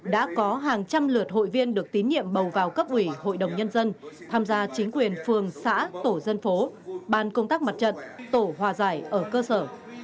đã có hàng trăm lượt hội viên được tín nhiệm bầu vào cấp ủy hội đồng nhân dân tham gia chính quyền phường xã tổ dân phố ban công tác mặt trận tổ hòa giải ở cơ sở